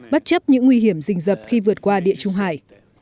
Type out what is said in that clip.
bất chấp những nguy hiểm rình rập khi vượt qua địa trung hải